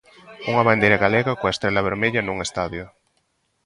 Unha bandeira galega coa estrela vermella nun estadio.